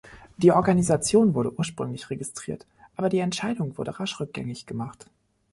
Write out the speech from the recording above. Die Organisation wurde ursprünglich registriert, aber die Entscheidung wurde rasch rückgängig gemacht.